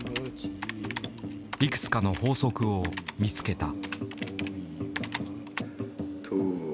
いくつかの法則を見つけた。